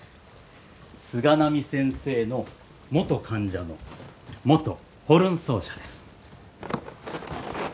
菅波先生の元患者の元ホルン奏者です。